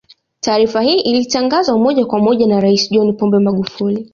Taarifa hii ilitangazwa moja kwa moja na Rais John Pombe Magufuli